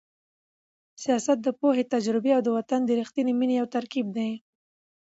سیاست د پوهې، تجربې او د وطن د رښتینې مینې یو ترکیب دی.